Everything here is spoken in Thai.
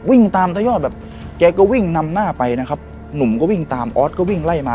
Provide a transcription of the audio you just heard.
วิ่งตามตะยอดแบบแกก็วิ่งนำหน้าไปนะครับหนุ่มก็วิ่งตามออสก็วิ่งไล่มา